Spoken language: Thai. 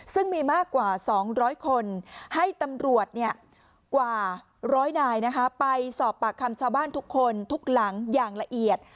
ซึ่งมีมากกว่า๒๐๐คนให้ตำรวจกว่าร้อยนายไปสอบปากคำชาวบ้านทุกคนทุกหลังอย่างละเอียด